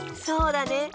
そうだね。